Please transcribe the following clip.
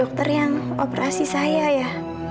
dokter yang operasi saya ya